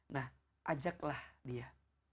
nah ajaklah dia